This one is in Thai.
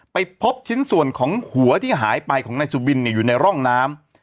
ไปพบชิ้นส่วนของหัวที่หายไปของนายสุบินอยู่ในร่องน้ำ